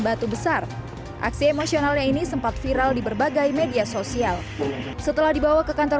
batu besar aksi emosionalnya ini sempat viral di berbagai media sosial setelah dibawa ke kantor